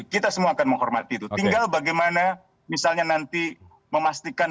kita semua akan menghormati itu tinggal bagaimana misalnya nanti memastikan